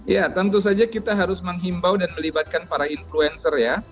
ya tentu saja kita harus menghimbau dan melibatkan para influencer ya